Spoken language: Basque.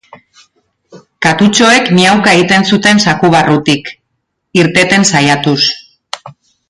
Katutxoek miauka egiten zuten zaku barrutik, irteten saiatuz.